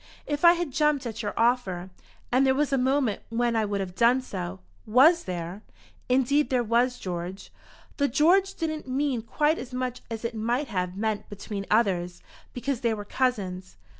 If I had jumped at your offer, and there was a moment when I would have done so " "Was there?" "Indeed there was, George." The "George" didn't mean quite as much as it might have meant between others, because they were cousins.